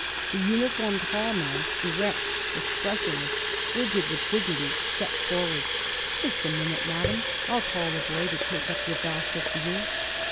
The uniformed hall man, erect, expressionless, frigid with dignity, stepped forward: "Just a minute, Madam, I'll call a boy to take up your basket for you."